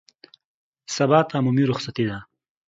سبا ته عمومي رخصتي ده